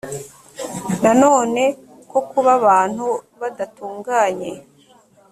nanone ko kuba abantu badatunganye